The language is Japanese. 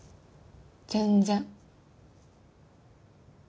全然。